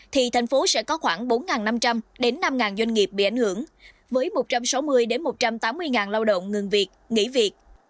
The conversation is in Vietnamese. thì thành phố sẽ có khoảng bốn năm trăm linh đến năm doanh nghiệp bị ảnh hưởng với một trăm sáu mươi một trăm tám mươi lao động ngừng việc nghỉ việc